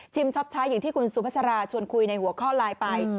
ช็อปใช้อย่างที่คุณสุภาษาราชวนคุยในหัวข้อไลน์ไป